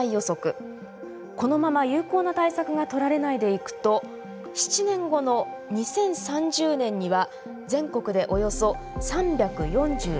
このまま有効な対策が取られないでいくと７年後の２０３０年には全国でおよそ３４１万人。